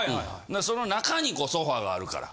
その中にソファがあるから。